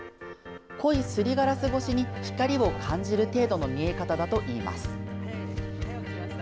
濃いすりガラス越しに光を感じる程度の見え方だといいます。